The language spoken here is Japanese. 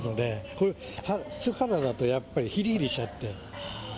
これ、素肌だとやっぱりひりひりしちゃって。